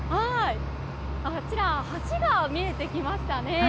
あちら橋が見えてきましたね。